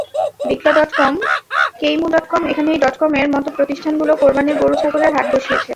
বিক্রয় dot com, Kaymu dot com, এখানেই ডটকমের মতো প্রতিষ্ঠানগুলো কোরবানির গরু-ছাগলের হাট বসিয়েছে।